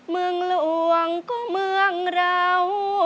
เมืองหลวงก็เมืองเรา